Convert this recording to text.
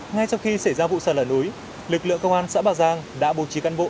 ngay sau khi xảy ra vụ sạt lở núi lực lượng công an xã bà giang đã bố trí cán bộ